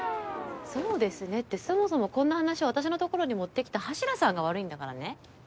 そうですねってそもそもこんな話を私のところに持ってきた橋田さんが悪いんだからね。